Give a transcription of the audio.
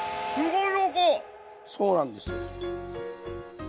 そうなんですよ。